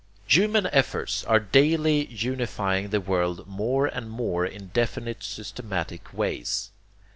Human efforts are daily unifying the world more and more in definite systematic ways.